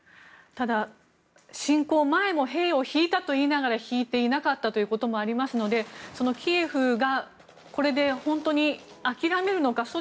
ただ、侵攻前も兵を引いたと言いながら引いていなかったということもありますので、キエフがこれで本当に諦めるのか